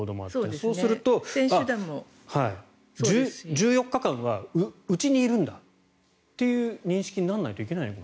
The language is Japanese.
そうすると、１４日間はうちにいるんだ、という認識にならないといけない。